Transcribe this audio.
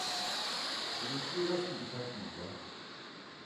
ćilimćiye rasum ke pʰaṣ manila